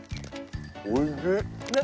おいしい！